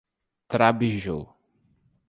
Trabiju